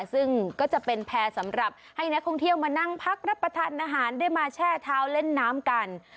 ซึ่งก็จะเป็นแพร่สำหรับให้นักท่องเที่ยวมานั่งพักรับประทานอาหารได้มาแช่เท้าเล่นน้ำกัน